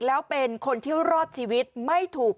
แล้วเป็นคนที่รอดชีวิตไม่ถูก